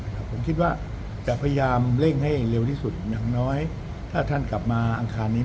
ผมคิดว่าจะพยายามเร่งให้เร็วที่สุดอย่างน้อยถ้าท่านกลับมาอังคารนี้